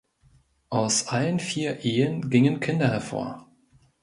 Aus allen vier Ehen gingen Kinder hervor.